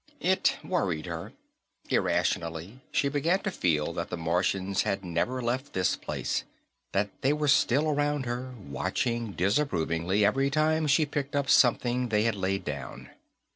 It worried her. Irrationally, she began to feel that the Martians had never left this place; that they were still around her, watching disapprovingly every time she picked up something they had laid down.